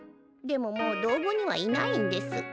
でももう道後にはいないんです。